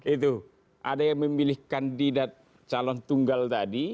itu ada yang memilih kandidat calon tunggal tadi